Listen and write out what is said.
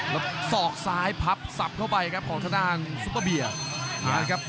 แล้วศอกซ้ายผลับสับเข้าไปครับของขนาดซุปเปอร์เบียร์